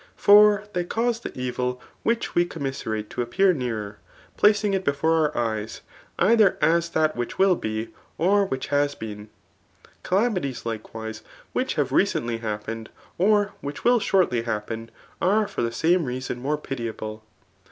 For ttey cawe «^e:evil which we.conmiiaerate to appear :neafeir»' pWiog it before our. eyes, either as that which wiUbi/jOrwhiph has been. C^l8mities,^Uk; ewise, ^jrhichhtytrec^ptly hap pened, or which will shortly happen, are for..iEbe.j3ji4ie reason more pitiable.